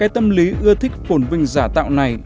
tâm lý ưa thích phổn vinh giả tạo này